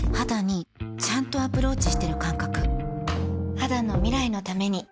肌の未来のために